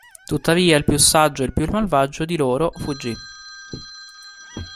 Tuttavia, "il più saggio e il più malvagio" di loro fuggì.